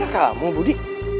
eh kenapa kamu budi